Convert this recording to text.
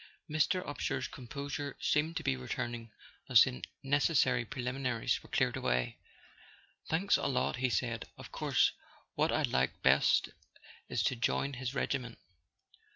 Mr. Upsher's composure seemed to be returning as [ 104 ] A SON AT THE FRONT the necessary preliminaries were cleared away. "Thanks a lot," he said. "Of course what I'd like best is to join his regiment."